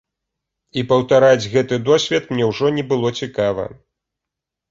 І паўтараць гэты досвед мне ўжо не было цікава.